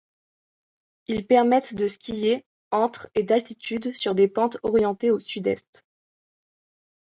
Ils permettent de skier entre et d'altitude sur des pentes orientées au sud-est.